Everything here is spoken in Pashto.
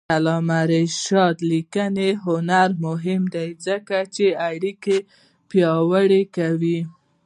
د علامه رشاد لیکنی هنر مهم دی ځکه چې اړیکې پیاوړې کوي.